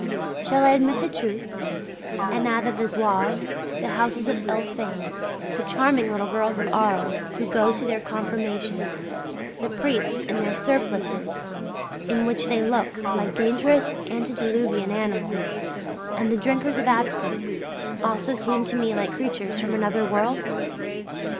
Shall I admit the truth, and add that the Zouaves, the houses of ill fame, the charming little girls of Arles who go to their confirmation, the priests in their surplices, in which they look like dangerous antediluvian animals,{FF} and the drinkers of absinthe also seem to me like creatures from another world?